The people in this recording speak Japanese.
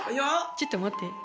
ちょっと待って。